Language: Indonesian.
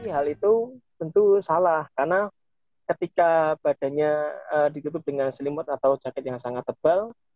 hal itu tentu salah karena ketika badannya ditutup dengan selimut atau jaket yang sangat tebal